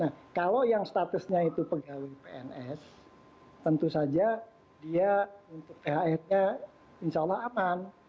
nah kalau yang statusnya itu pegawai pns tentu saja dia untuk thr nya insya allah aman